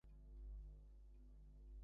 Sir আমি যাই?